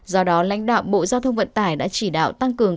do đó lãnh đạo bộ giao thông vận tải đã chỉ đạo tăng cường